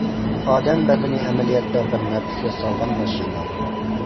ئادەم بەدىنى ئەمەلىيەتتە بىر نەپىس ياسالغان ماشىنا.